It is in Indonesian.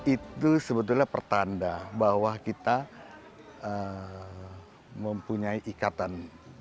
itu sebetulnya pertanda bahwa kita mempunyai ikatan